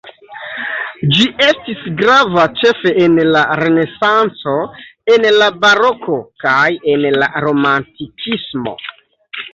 Ĝi estis grava ĉefe en la renesanco en la baroko kaj en la romantikismo.